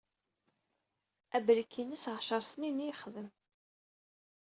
Abriki-ines ɛecr-snin i yexdem.